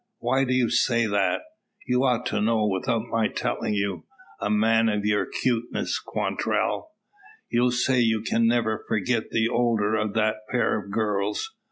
"Why do you say that?" "You ought to know, without my tellin' you a man of your 'cuteness, Quantrell! You say you can never forget the older of that pair o' girls.